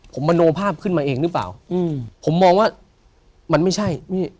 ผมมโนภาพขึ้นมาเองหรือเปล่าอืมผมมองว่ามันไม่ใช่